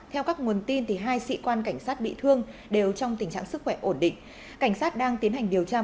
theo các nguồn tin thì hai sĩ quan cảnh sát bị thương đều trong tình trạng sức khỏe ổn định